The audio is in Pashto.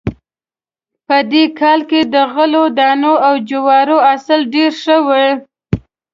په دې کال کې د غلو دانو او جوارو حاصل ډېر ښه و